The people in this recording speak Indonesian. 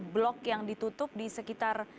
blok yang ditutup di sekitar